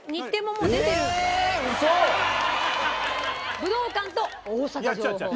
武道館と大阪城ホール。